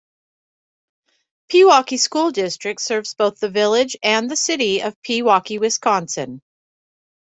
Pewaukee School District serves both the village and the city of Pewaukee, Wisconsin.